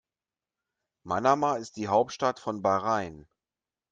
Manama ist die Hauptstadt von Bahrain.